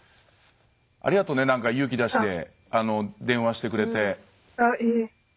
ありがとね、勇気出して電話してくれて。